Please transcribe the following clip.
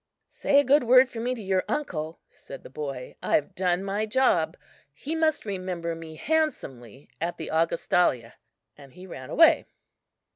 "Say a good word for me to your uncle," said the boy, "I have done my job. He must remember me handsomely at the Augustalia," and he ran away.